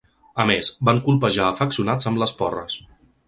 A més, van colpejar afeccionats amb les porres.